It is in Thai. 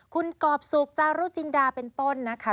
คุณกรอบสุขจารุจินดาเป็นต้นนะคะ